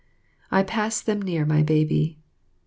I pass them near my baby.